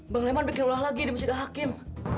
bang leman bikin olah lagi di masjid al hakim